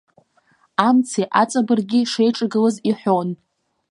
Амци аҵабырги шеиҿагылаз иҳәон.